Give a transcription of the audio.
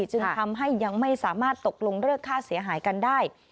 จึงทำให้ยังไม่สามารถตกลงเลือกค่าเสียหายกันได้